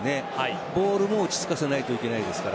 ボールも落ち着かせないといけないですから。